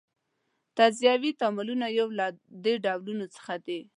تجزیوي تعاملونه یو له دې ډولونو څخه دي.